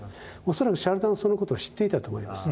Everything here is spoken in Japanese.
恐らくシャルダンはそのことを知っていたと思います。